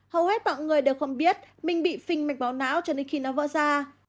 hầu hết mọi người đều không biết mình bị phình mạch máu não cho nên khi nó vỡ ra